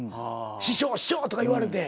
「師匠」「師匠」とか言われて。